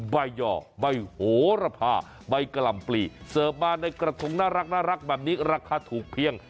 ใบห่อใบโหระพาใบกะหล่ำปลีเสิร์ฟมาในกระทงน่ารักแบบนี้ราคาถูกเพียง